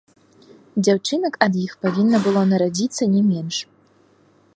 Дзяўчынак ад іх павінна было нарадзіцца не менш.